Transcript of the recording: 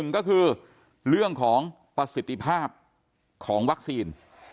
ก็คือเรื่องของประสิทธิภาพของวัคซีน